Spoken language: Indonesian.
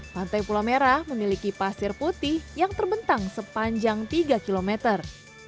pantai pulau merah memiliki pasir putih yang terbentang sepanjang tiga kilometer